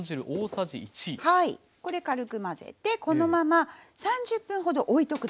これ軽く混ぜてこのまま３０分ほどおいとくだけなんです。